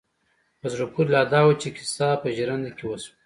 په زړه پورې لا دا وه چې کيسه په ژرنده کې وشوه.